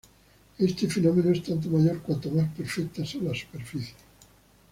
Este fenómeno es tanto mayor cuanto más perfectas son las superficies.